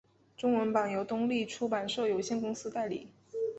中文版由东立出版社有限公司代理。